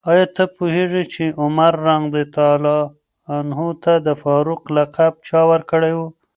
آیا ته پوهېږې چې عمر رض ته د فاروق لقب چا ورکړی و؟